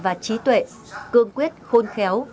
và trí tuệ cương quyết khôn khéo